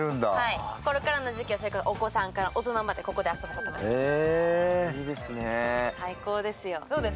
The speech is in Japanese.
これからの時期はお子さんから大人までここで遊ぶことができます。